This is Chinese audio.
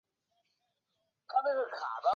双尖艾普蛛为跳蛛科艾普蛛属的动物。